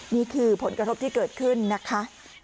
นี่คือผลกระทบที่เกิดขึ้นนะคะ